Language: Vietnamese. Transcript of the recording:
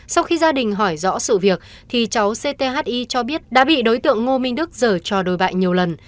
sau khi gia đình hỏi rõ sự việc cháu cthi cho biết đã bị đối tượng ngô minh đức dở trò đối bại nhiều lần